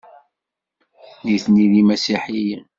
Nitni d imasiḥiyen.